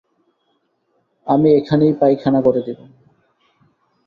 আমি এখানেই পায়খানা করে দেবো।